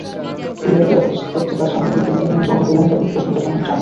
হিলারিকে অপদস্থ করতে তাঁর স্বামী বিল ক্লিনটনের যৌন কেলেঙ্কারির প্রসঙ্গ টানেন ট্রাম্প।